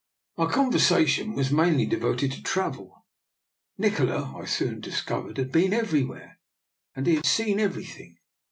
Our conversation was mainly de voted to travel. Nikola, I soon discovered, had been everywhere, and had seen every thing.